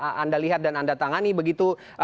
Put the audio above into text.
saya tidak pernah anda lihat dan anda tangani begitu